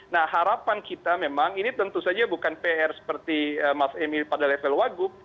nah harapan kita memang ini tentu saja bukan pr seperti mas emil pada level wagub